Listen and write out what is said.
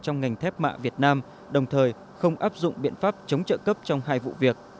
trong ngành thép mạ việt nam đồng thời không áp dụng biện pháp chống trợ cấp trong hai vụ việc